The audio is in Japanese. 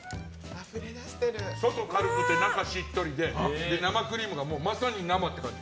外軽くて中しっとりで生クリームがまさに生って感じ。